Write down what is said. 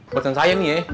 persen saya nih ya